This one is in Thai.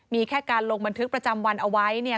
มีแค่การลงบันทึกประจำวันเอาไว้เนี่ย